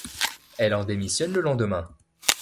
Elle en démissionne le lendemain.